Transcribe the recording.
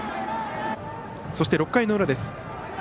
そして６回の裏です。